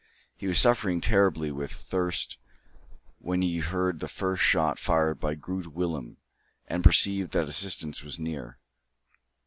He was suffering terribly with thirst when he heard the first shot fired by Groot Willem, and perceived that assistance was near.